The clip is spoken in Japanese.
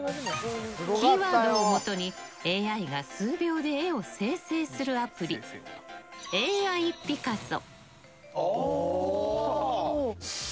キーワードをもとにＡＩが数秒で絵を生成するアプリＡＩピカソ。